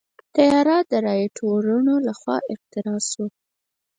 طیاره د رائټ وروڼو لخوا اختراع شوه.